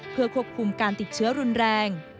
เพื่อควบคุมการติดเชื้อรุนแรง